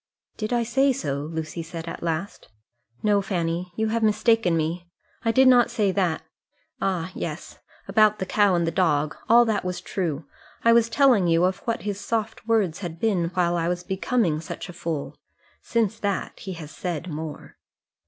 "Did I say so?" Lucy said at last. "No, Fanny; you have mistaken me: I did not say that. Ah, yes, about the cow and the dog. All that was true. I was telling you of what his soft words had been while I was becoming such a fool. Since that he has said more."